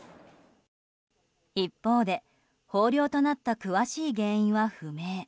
一方で豊漁となった詳しい原因は不明。